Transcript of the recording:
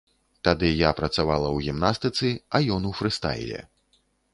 Тады я працавала ў гімнастыцы, а ён у фрыстайле.